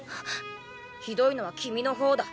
ひどいのは君の方だ。